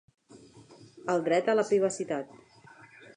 El dret a la privacitat.